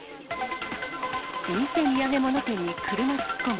老舗土産物店に車突っ込む。